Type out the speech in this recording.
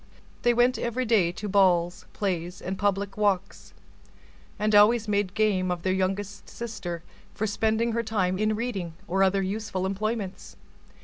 They went every day to balls, p1ays, and public walks, and always made game of their youngest sister for spending her time in reading or other useful employments.